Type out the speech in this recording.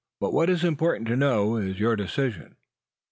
But what is important to know, is your decision.